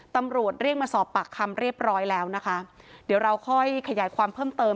ตำรวจเรียกมาสอบปากคำเรียบร้อยแล้วนะคะเดี๋ยวเราค่อยขยายความเพิ่มเติม